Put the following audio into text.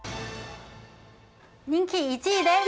人気１位です！